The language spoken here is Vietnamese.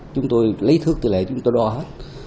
chúng tôi lý thước tỷ lệ chúng tôi đo hết